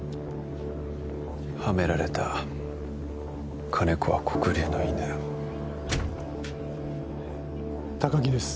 ハメられた金子は黒龍の犬高木です